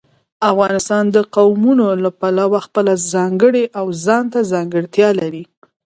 افغانستان د قومونه له پلوه خپله ځانګړې او ځانته ځانګړتیا لري.